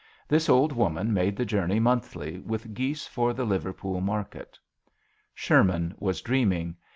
This old woman made the journey monthly with geese for the Liverpool market. Sherman was dreaming.